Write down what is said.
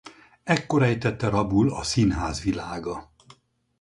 Ekkor ejtette rabul a színház világa.